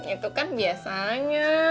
itu kan biasanya